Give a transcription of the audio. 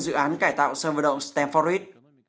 dự án cải tạo sân vật động stamford ruiz